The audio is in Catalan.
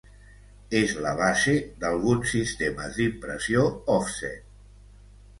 És la base d'alguns sistemes d'impressió òfset.